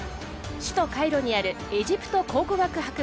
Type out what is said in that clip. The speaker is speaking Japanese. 首都カイロにあるエジプト考古学博物館です。